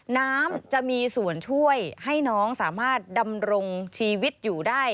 น้ำจะมีส่วนช่วยให้น้องสามารถดำรงชีวิตอยู่ได้